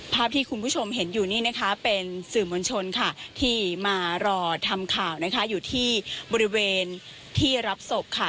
ภาพที่คุณผู้ชมเห็นอยู่นี่นะคะเป็นสื่อมวลชนค่ะที่มารอทำข่าวนะคะอยู่ที่บริเวณที่รับศพค่ะ